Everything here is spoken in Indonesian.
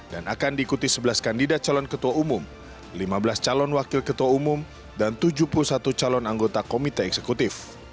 dan akan diikuti sebelas kandidat calon ketua umum lima belas calon wakil ketua umum dan tujuh puluh satu calon anggota komite eksekutif